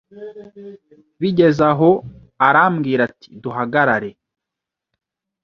bigeze aho arambwira ati duhagarare